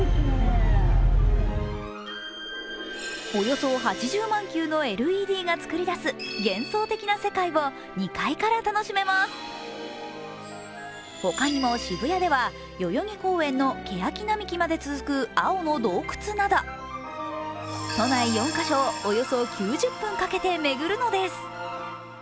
およそ８０万球のＬＥＤが作り出す幻想的な世界を２階から楽しめますほかにも、渋谷では代々木公園のけやき並木まで続く青の洞窟など都内４か所をおよそ９０分かけて巡るのです。